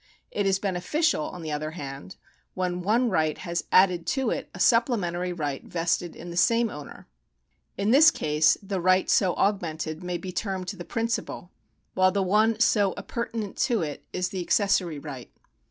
It is beneficial, on the other hand, when one right has added to it a supplementary right vested in the same owner. In this case the right so augmented may be termed fhe principal, w hile the one so appurtenant to it is the accessory right.